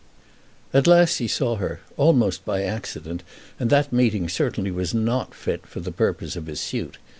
At last he saw her, almost by accident, and that meeting certainly was not fit for the purpose of his suit.